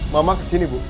mama kesini bu